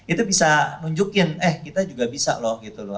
itu bisa nunjukin eh kita juga bisa loh gitu loh